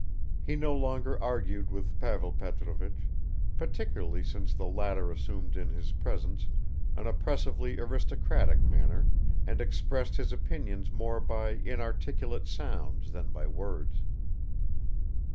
He no longer argued with Pavel Petrovich, particularly since the latter assumed in his presence an oppressively aristocratic manner and expressed his opinions more by inarticulate sounds than by words.